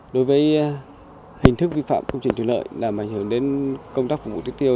đối với hình thức vi phạm công trình thủy lợi làm ảnh hưởng đến công tác phục vụ tưới tiêu